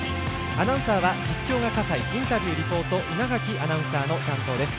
アナウンサーは実況が笠井インタビュー、リポート稲垣アナウンサーの担当です。